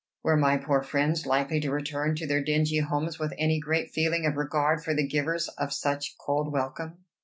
Were my poor friends likely to return to their dingy homes with any great feeling of regard for the givers of such cold welcome?"